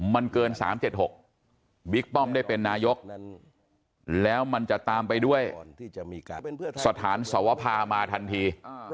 มันเกิน๓๗๖บิ๊กป้อมได้เป็นนายกแล้วมันจะตามไปด้วยสถานสวภามาทันที